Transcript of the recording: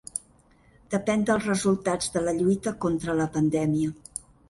Depèn dels resultats de la lluita contra la pandèmia.